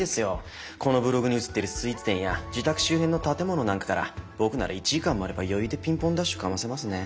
このブログに写ってるスイーツ店や自宅周辺の建物なんかから僕なら１時間もあれば余裕でピンポンダッシュかませますね。